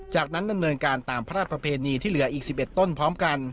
จากนั้นดำเนินการตามพระราชประเพณีที่เหลืออีก๑๑ต้นพร้อมกัน